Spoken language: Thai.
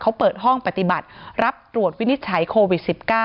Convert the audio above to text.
เขาเปิดห้องปฏิบัติรับตรวจวินิจฉัยโควิด๑๙